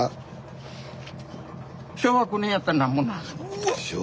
うわ！